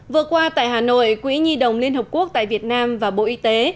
vừa qua tại hà nội quỹ nhi đồng liên hợp quốc tại việt nam và bộ y tế